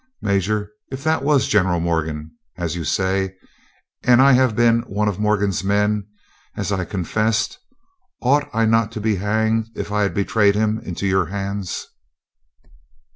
"Major, if that was General Morgan, as you say, and I have been one of Morgan's men, as I have confessed, ought I not to be hanged if I had betrayed him into your hands?"